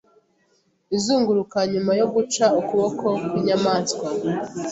izunguruka nyuma yo guca ukuboko kwinyamaswa